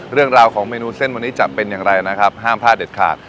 เรื่องราวของเมนูเส้นวันนี้จะเป็นอย่างไรนะครับห้ามพลาดเด็ดขาด